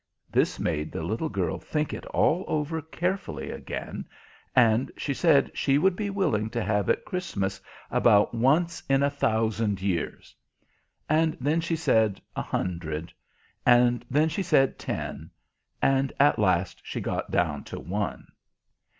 This made the little girl think it all over carefully again, and she said she would be willing to have it Christmas about once in a thousand years; and then she said a hundred, and then she said ten, and at last she got down to one.